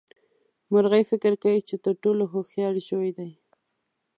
مرغۍ فکر کوي چې تر ټولو هوښيار ژوي دي.